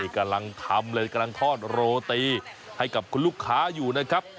กำลังทำเลยกำลังทอดโรตีให้กับคุณลูกค้าอยู่นะครับ